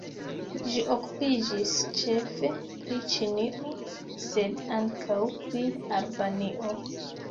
Ĝi okupiĝis ĉefe pri Ĉinio, sed ankaŭ pri Albanio.